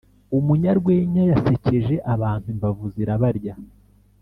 Umunyarwenya yasekeje abantu imbavu zirabarya